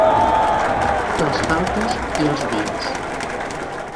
Les faltes i els dies